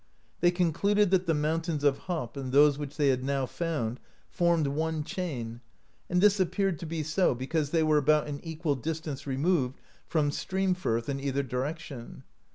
They concluded that the mountains of Hop, and those which they had now found, formed one chain, and this appeared to be so because they were about an equal distance removed from Streamfirth, in either direction.